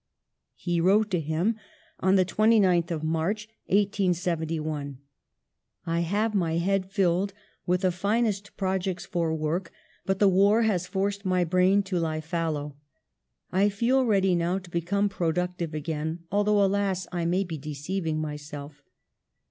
He wrote to him on the 29th of March, 1871 : "I have my head filled with the finest projects for work, but the war has forced my brain to lie fallow. I feel ready now to become productive again, although, alas, I may be deceiving myself!